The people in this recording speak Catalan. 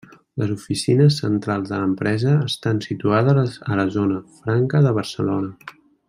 Les oficines centrals de l'empresa estan situades a la Zona Franca de Barcelona.